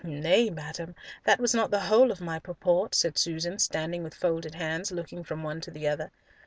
"Nay, madam, that was not the whole of my purport," said Susan, standing with folded hands, looking from one to another.